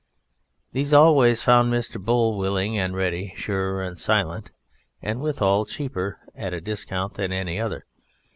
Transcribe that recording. These always found Mr. Bull willing and ready, sure and silent, and, withal, cheaper at a discount than any other.